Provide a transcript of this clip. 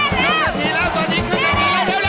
มาประหารสู้